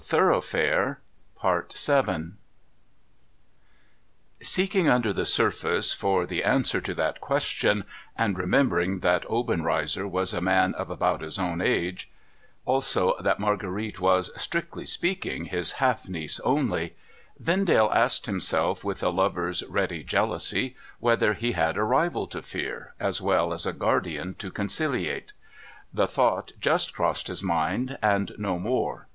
OBENREIZER'S MANNER 525 Seeking, under the surface, for the answer to that question — and remembering that Obenreizer was a man of about his own age ; also, that Marguerite was, strictly speaking, his half niece only — Vendale asked himself, with a lover's ready jealousy, whether he had a rival to fear, as well as a guardian to conciliate. The thought just crossed his mind, and no more.